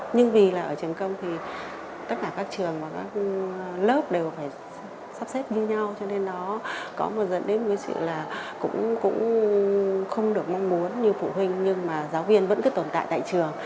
nhưng vì là ở trường công thì tất cả các trường và các lớp đều phải sắp xếp như nhau cho nên nó có một dẫn đến một cái sự là cũng không được mong muốn như phụ huynh nhưng mà giáo viên vẫn cứ tồn tại tại trường